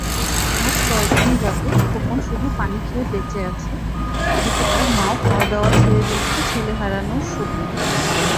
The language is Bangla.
আজ কয়েক দিন যাবত খোকন শুধু পানি খেয়ে বেঁচে আছে, এদিকে তার মাও খাওয়া দাওয়া ছেড়ে দিয়েছে ছেলে হারানোর শোকে।